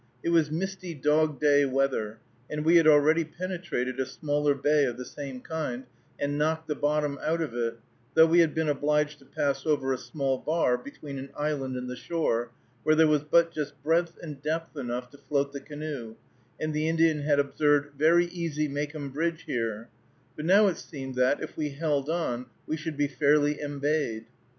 It was misty dog day weather, and we had already penetrated a smaller bay of the same kind, and knocked the bottom out of it, though we had been obliged to pass over a small bar, between an island and the shore, where there was but just breadth and depth enough to float the canoe, and the Indian had observed, "Very easy makum bridge here," but now it seemed that, if we held on, we should be fairly embayed.